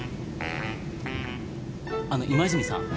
あの今泉さん。